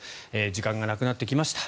時間がなくなってきました。